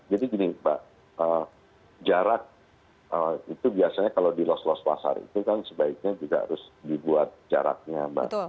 jadi gini mbak jarak itu biasanya kalau di los los pasar itu kan sebaiknya juga harus dibuat jaraknya